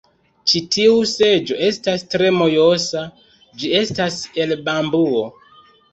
Ĉi tiu seĝo estas tre mojosa ĝi estas el bambuo